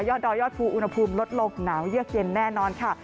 ดอยยอดภูอุณหภูมิลดลงหนาวเยือกเย็นแน่นอนค่ะ